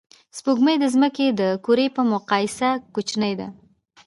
سپوږمۍ د ځمکې د کُرې په مقایسه کوچنۍ ده